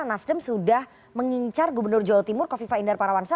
nasdem sudah mengincar gubernur jawa timur kofi faindar parawansa